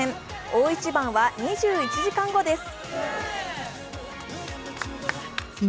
大一番は２１時間後です。